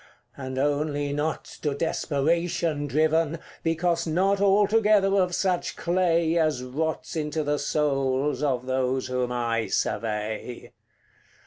And only not to desperation driven, Because not altogether of such clay As rots into the souls of those whom I survey.